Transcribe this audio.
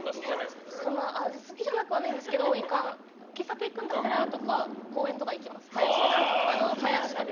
好きじゃなくはないんですけど喫茶店行くんだったらどこか公園とか行きます。